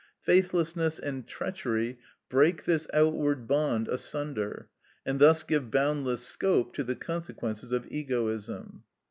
Faithlessness and treachery break this outward bond asunder, and thus give boundless scope to the consequences of egoism.